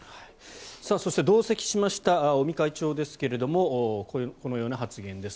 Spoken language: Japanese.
そして同席しました尾身会長ですけれどもこのような発言です。